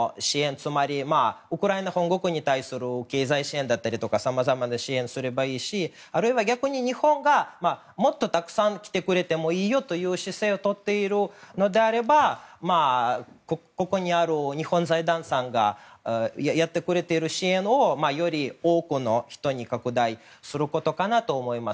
つまり、ウクライナ本国に対する経済支援だったりとかさまざまな支援をすればいいしあるいは、逆に日本がもっとたくさん来てくれてもいいよという姿勢を取っているのであればここにある日本財団さんがやってくれている支援をより多くの人に拡大することかなと思います。